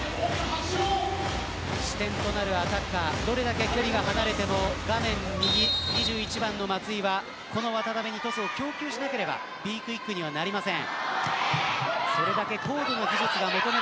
起点となるアタッカーどれだけ距離が離れても画面右、２１番の松井はその渡邊にパスを供給しなければＢクイックにはなりません。